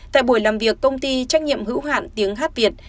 tại buổi làm việc công ty trách nhiệm hữu hạn tiếng hát việt